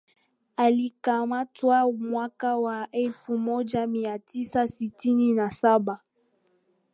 Alikamatwa mwaka wa elfu moja mia tisa sitini na saba